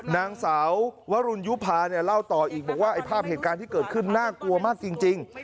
นางสาววรุณยุภาเนี่ยเล่าต่ออีกบอกว่าไอ้ภาพเหตุการณ์ที่เกิดขึ้นน่ากลัวมากจริง